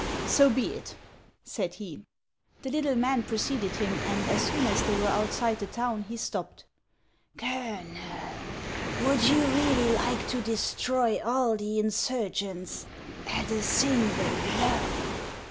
" So be it," said he. The little man preceded him, and as soon as they were outside the town, he stopped. " Colonel, would you really like to destroy all the insurgents at a single blow